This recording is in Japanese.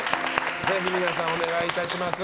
ぜひ皆さん、お願いいたします。